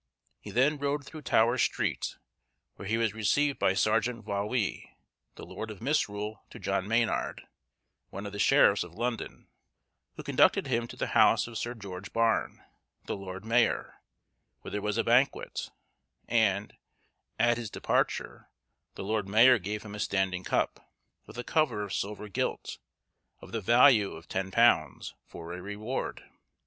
He then rode through Tower street, where he was received by Sergeant Vawee, the lord of Misrule to John Mainard, one of the sheriffs of London, who conducted him to the house of Sir George Barne, the lord mayor, where there was a banquet: and, at his departure, the lord mayor gave him a standing cup, with a cover of silver gilt, of the value of £10, for a reward.